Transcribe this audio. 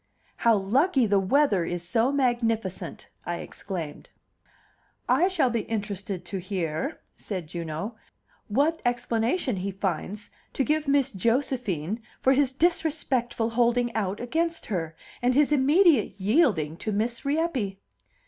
"How lucky the weather is so magnificent!" I exclaimed. "I shall be interested to hear," said Juno, "what explanation he finds to give Miss Josephine for his disrespectful holding out against her, and his immediate yielding to Miss Rieppe."